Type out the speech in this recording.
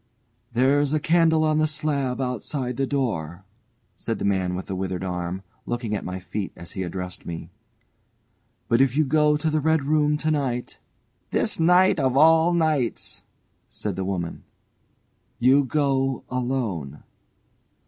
"There's a candle on the slab outside the door," said the man with the withered arm, looking at my feet as he addressed me. "But if you go to the red room to night " ("This night of all nights!" said the old woman.) "You go alone."